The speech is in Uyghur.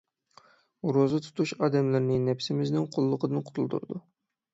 روزا تۇتۇش ئادەملەرنى نەپسىمىزنىڭ قۇللۇقىدىن قۇتۇلدۇرىدۇ.